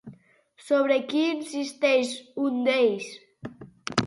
Sobre què insisteix un d'ells?